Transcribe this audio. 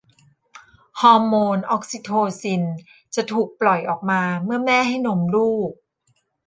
ฮอร์โมนออกซิโทซินจะถูกปล่อยออกมาเมื่อแม่ให้นมลูก